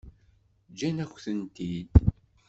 Ǧǧan-akent-tent-id.